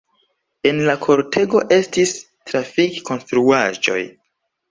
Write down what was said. En la kortego estiĝis trafik-konstruaĵoj.